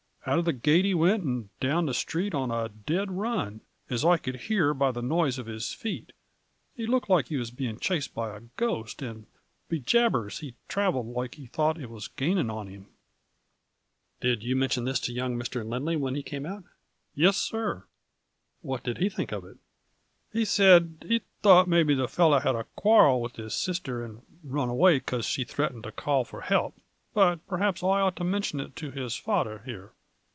Out of the gate he wint and down the street on a dead run, as I could hear by the noise of his feet. He looked loike he was being chased by a ghost, and, be jabers, he thraveled like he thought it was gaining on him !"" Did you mention this to young Mr. Lindley when he came out ?"" Yes, sir." " What did he think of it ?"" He said, ' he thought maybe the fellow had a quarrel with his sister and run away because she threatened to call for help, but perhaps I might mintion it to his father here.